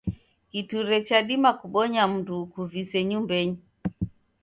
Kiture chadima kubonya mndu ukuvise nyumbenyi.